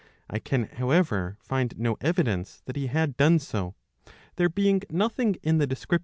I can, however, find no evidence that he had done so, there being nothing in the description » D.